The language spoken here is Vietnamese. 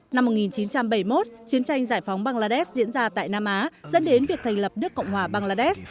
năm một nghìn chín trăm bảy mươi một chiến tranh giải phóng bangladesh diễn ra tại nam á dẫn đến việc thành lập nước cộng hòa bangladesh